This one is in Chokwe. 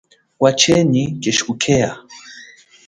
Wachenyi keshi kukeha.